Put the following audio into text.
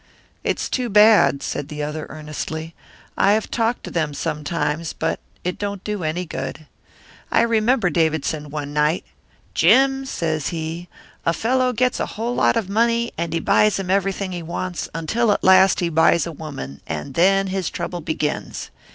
"It's too bad," said the other, earnestly. "I have talked to them sometimes, but it don't do any good. I remember Davidson one night: 'Jim,' says he, 'a fellow gets a whole lot of money, and he buys him everything he wants, until at last he buys a woman, and then his trouble begins.